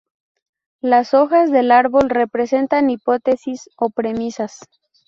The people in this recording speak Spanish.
Las hojas del árbol representan hipótesis o premisas.